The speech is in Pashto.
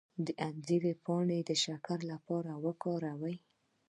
د انځر پاڼې د شکر لپاره وکاروئ